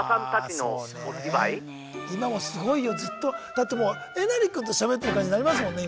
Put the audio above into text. だってもうえなり君としゃべってる感じになりますもんね